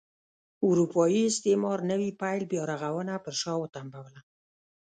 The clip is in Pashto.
اروپايي استعمار نوي پیل بیا رغونه پر شا وتمبوله.